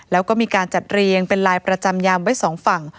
แล้วก็มีการจัดเรียงเป็นลายประจำยามไว้สองฝั่ง